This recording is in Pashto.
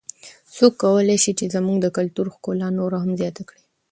څوک کولای سي چې زموږ د کلتور ښکلا نوره هم زیاته کړي؟